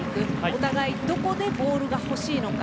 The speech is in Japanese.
お互いどこでボールが欲しいのか。